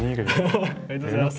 はははありがとうございます。